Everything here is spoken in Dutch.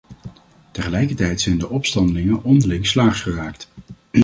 Tegelijkertijd zijn de opstandelingen onderling slaags geraakt.